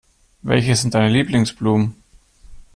Welche sind deine Lieblingsblumen?